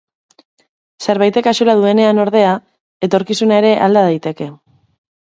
Zerbaitek axola duenean, ordea, etorkizuna ere alda daiteke.